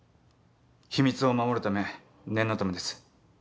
秘密を守るため念のためです。